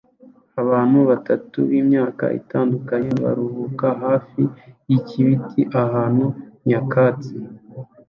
Abantu batatu b'imyaka itandukanye baruhuka hafi yikibiti ahantu nyakatsi